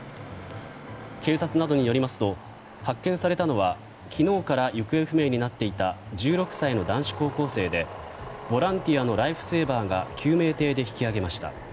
警察などによりますと発見されたのは昨日から行方不明になっていた１６歳の男子高校生でボランティアのライフセーバーが救命艇で引き揚げました。